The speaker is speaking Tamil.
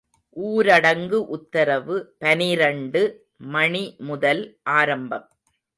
ஊரடங்கு உத்தரவு பனிரண்டு மணி முதல் ஆரம்பம்.